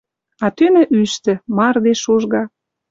А тӱнӹ ӱштӹ. Мардеж шужга